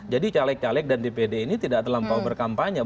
jadi caleg caleg dan dpd ini tidak terlampau berkampanye